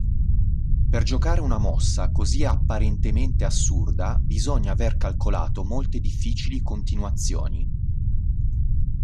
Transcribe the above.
Per giocare una mossa così apparentemente assurda bisogna aver calcolato molte difficili continuazioni.